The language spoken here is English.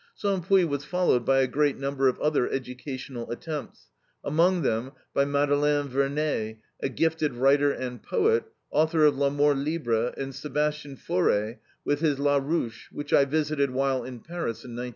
Cempuis was followed by a great number of other educational attempts, among them, by Madelaine Vernet, a gifted writer and poet, author of L'AMOUR LIBRE, and Sebastian Faure, with his LA RUCHE, which I visited while in Paris, in 1907.